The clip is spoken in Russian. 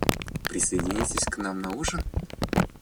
Присоединитесь к нам на ужин?